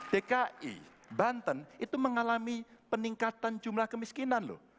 dki banten itu mengalami peningkatan jumlah kemiskinan loh